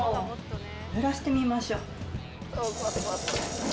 ぬらしてみましょう。